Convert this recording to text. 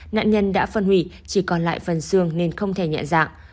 nạn nhân đã phân hủy chỉ còn lại phần xương nên không thể nhẹ dạng